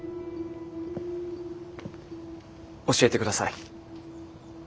教えてください。